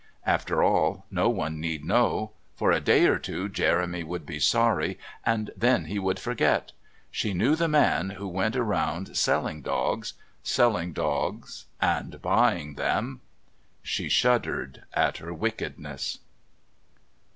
After all, no one need know. For a day or two Jeremy would be sorry and then he would forget. She knew the man who went round selling dogs selling dogs and buying them. She shuddered at her wickedness.